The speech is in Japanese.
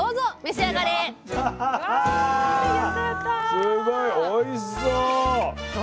すごいおいしそう！